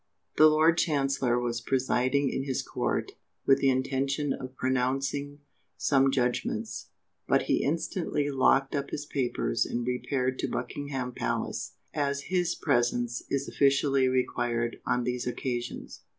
The Lord Chancellor was presiding in his Court with the intention of pronouncing some judgments, but he instantly locked up his papers and repaired to Buckingham Palace, as his presence is officially required on these occasions.